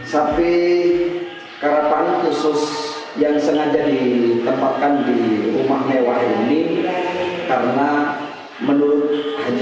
sapi karapan khusus yang sengaja ditempatkan di rumah keluarga ini